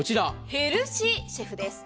ヘルシーシェフです。